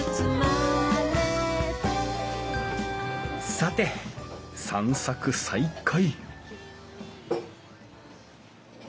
さて散策再開